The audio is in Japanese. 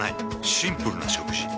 シンプルな食事。